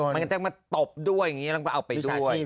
มันก็จะมาตบด้วยอย่างนี้แล้วก็เอาไปด้วย